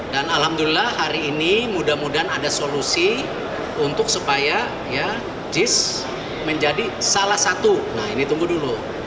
dan alhamdulillah hari ini mudah mudahan ada solusi untuk supaya jis menjadi salah satu nah ini tunggu dulu